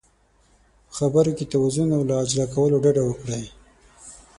په خبرو کې توازن او له عجله کولو ډډه وکړئ.